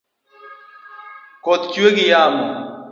Koth chwe gi yamo